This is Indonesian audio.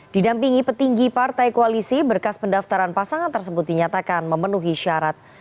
didampingi petinggi partai koalisi berkas pendaftaran pasangan tersebut dinyatakan memenuhi syarat